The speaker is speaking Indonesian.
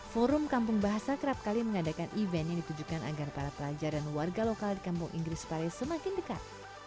forum kampung bahasa kerap kali mengadakan event yang ditujukan agar para pelajar dan warga lokal di kampung inggris paris semakin dekat